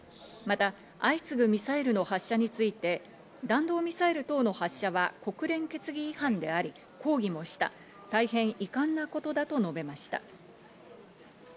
また相次ぐミサイルの発射について、弾道ミサイル等の発射は国連決議違反であり、抗議もした、大変遺憾なことだと述べました。